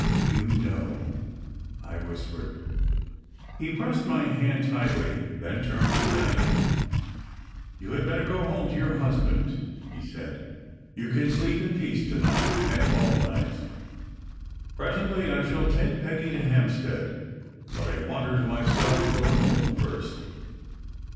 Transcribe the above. "You know!" I whispered. He pressed my hand tightly, then turned to Diana. "You had better go home to your husband," he said. "You can sleep in peace to night, and all nights. Presently I shall take Peggy to Hampstead; but I want her to myself for a moment first."